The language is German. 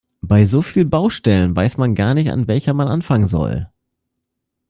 Bei so vielen Baustellen weiß man gar nicht, an welcher man anfangen soll.